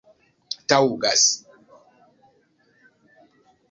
taŭgas